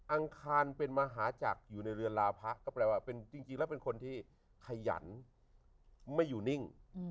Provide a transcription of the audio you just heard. อังคารเป็นมหาจักรอยู่ในเรือนลาพะก็แปลว่าจริงแล้วเป็นคนที่ขยันไม่อยู่นิ่ง